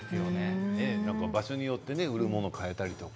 場所によって売るものを変えたりとか。